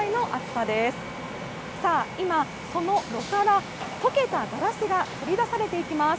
さあ、今、その炉から溶けたガラスが取り出されていきます。